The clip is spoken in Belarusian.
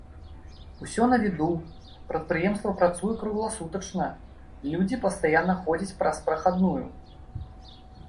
Усё на віду, прадпрыемства працуе кругласутачна, людзі пастаянна ходзяць праз прахадную.